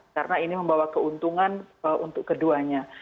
karena ini membawa keuntungan untuk keduanya